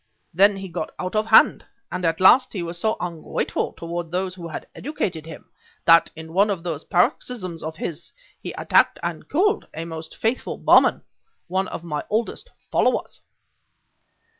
Then he got out of hand; and at last he was so ungrateful toward those who had educated him, that, in one of those paroxysms of his, he attacked and killed a most faithful Burman, one of my oldest followers."